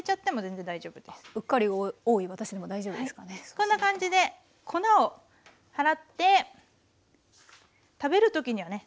こんな感じで粉を払って食べる時にはね